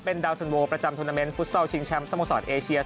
เป็นดาวสันโวประจำทวนาเม้นฟุตเซาชิงแชมป์สมสอดเอเชีย